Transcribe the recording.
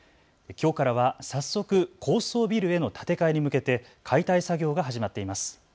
きょうからは早速、高層ビルへの建て替えに向けて解体作業が始まっています。